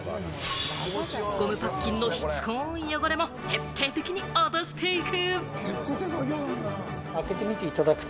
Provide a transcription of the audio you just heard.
ゴムパッキンのしつこい汚れも徹底的に落としてゆく。